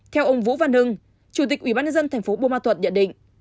theo ông vũ văn hưng chủ tịch ủy ban nhân dân thành phố bô ma thuận địa định